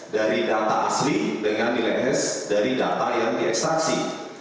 dari data asli dengan nilai hash dari data yang diekstraksi